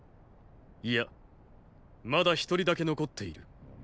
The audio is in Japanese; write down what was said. いやまだ一人だけ残っている。